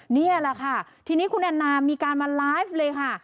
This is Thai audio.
นี่แหละค่ะทีนี้คุณแอนนามีการมาไลฟ์เลยค่ะ